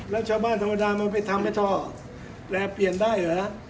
แล้วชาวบ้านธรรมดามันไปทำให้ท่อแปลเปลี่ยนได้เหรอ